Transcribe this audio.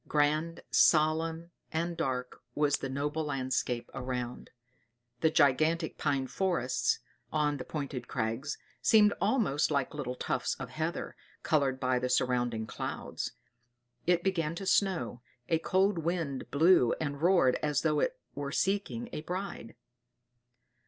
Grand, solemn, and dark was the whole landscape around. The gigantic pine forests, on the pointed crags, seemed almost like little tufts of heather, colored by the surrounding clouds. It began to snow, a cold wind blew and roared as though it were seeking a bride.